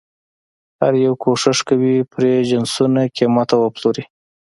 هر یو کوښښ کوي پرې جنسونه قیمته وپلوري.